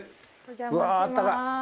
うわあったかい。